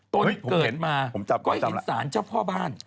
ตนเกิดมาก็เห็นสารเจ้าพ่อบ้าน